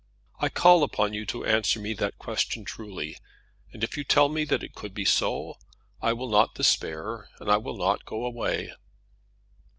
I call upon you to answer me that question truly; and if you tell me that it could be so, I will not despair, and I will not go away."